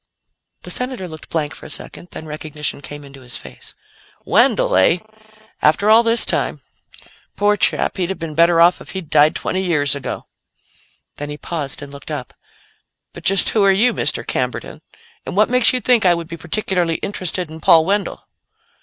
The Senator looked blank for a second, then recognition came into his face. "Wendell, eh? After all this time. Poor chap; he'd have been better off if he'd died twenty years ago." Then he paused and looked up. "But just who are you, Mr. Camberton? And what makes you think I would be particularly interested in Paul Wendell?"